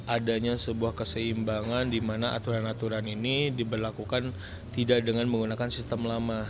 adanya sebuah keseimbangan di mana aturan aturan ini diberlakukan tidak dengan menggunakan sistem lama